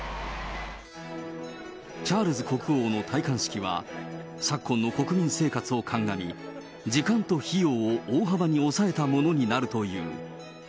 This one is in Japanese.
チャールズ国王の戴冠式は、昨今の国民生活を鑑み、時間と費用を大幅に抑えたものになるという。